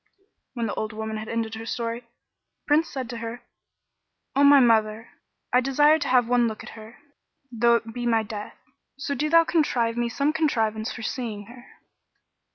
'" When the old woman had ended her story, the Prince said to her, "O my mother, I desire to have one look at her, though it be my death; so do thou contrive me some contrivance for seeing her."